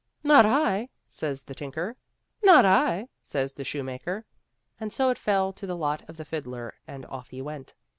" Not I," says the tinker. " Not I," says the shoemaker. ♦ And so it fell to the lot of the fiddler, and off he went.